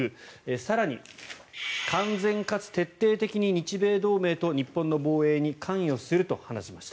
更に、完全かつ徹底的に日米同盟と日本の防衛に関与すると話しました。